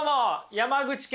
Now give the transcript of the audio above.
山口県